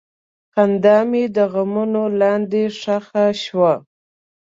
خندا مې د غمونو لاندې ښخ شوه.